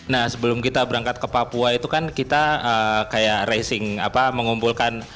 nah sebelum kita berangkat ke papua itu kan kita kayak racing mengumpulkan